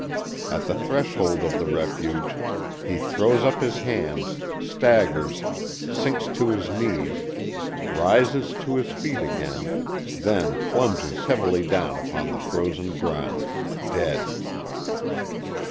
At the threshold of the refuge he throws up his hands, staggers, sinks to his knees, rises to his feet again, then plunges heavily down upon the frozen ground, dead.